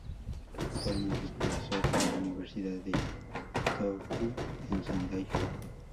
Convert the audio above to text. Actualmente es profesor en la Universidad de Tohoku en Sendai, Japón.